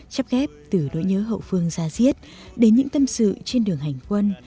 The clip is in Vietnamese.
chấp ghép từ nỗi nhớ hậu phương ra diết đến những tâm sự trên đường hành quân